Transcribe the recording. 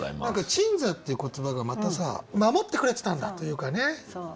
何か「鎮座」っていう言葉がまたさ守ってくれてたんだというかね。